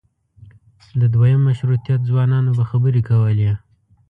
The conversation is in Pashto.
د دویم مشروطیت ځوانانو به خبرې کولې.